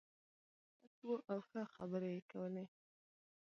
دی ښه صمیمي شخصیت و او ښه خبرې یې کولې.